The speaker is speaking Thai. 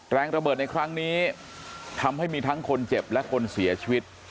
แรงระเบิดในครั้งนี้ทำให้มีทั้งคนเจ็บและคนเสียชีวิต